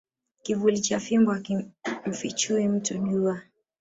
Kivuli cha fimbo hakimfichi mtu jua